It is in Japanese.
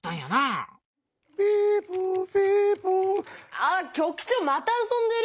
あっ局長また遊んでる！